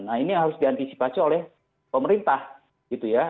nah ini yang harus diantisipasi oleh pemerintah gitu ya